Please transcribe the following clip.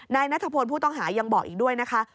นายนัทพลผู้ต้องหายังบอกอีกด้วยนะคะ